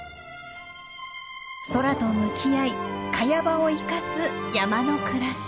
空と向き合いカヤ場を生かす山の暮らし。